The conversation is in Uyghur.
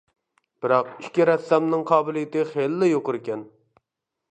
بىراق ئىككى رەسسامنىڭ قابىلىيىتى خېلىلا يۇقىرىكەن.